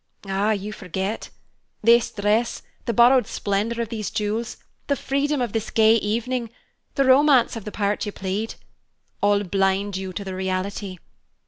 "Ah, you forget! This dress, the borrowed splendor of these jewels, the freedom of this gay evening, the romance of the part you played, all blind you to the reality.